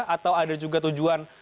atau ada juga tujuan